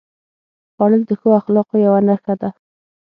خوړل د ښو اخلاقو یوه نښه ده